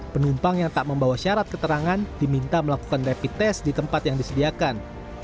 penumpang yang tak membawa syarat keterangan diminta melakukan rapid test di tempat yang disediakan